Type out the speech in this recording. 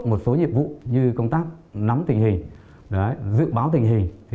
một số nhiệm vụ như công tác nắm tình hình dự báo tình hình